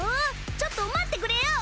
ちょっと待ってくれよ！